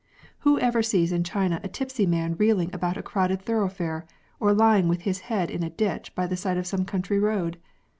Who ever sees in China a tipsy man reeling about a crowded thoroughfare, or lying with his head in a ditch by the side of some country road